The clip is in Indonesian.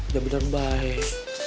ya bener baik